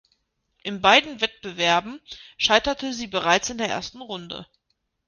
In beiden Wettbewerben scheiterte sie bereits in der ersten Runde.